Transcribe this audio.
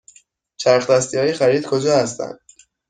چرخ دستی های خرید کجا هستند؟